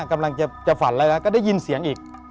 กำลังจะฝันแล้วก็ได้ยินเสียงอีก